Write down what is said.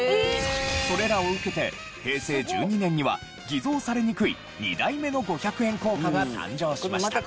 それらを受けて平成１２年には偽造されにくい２代目の５００円硬貨が誕生しました。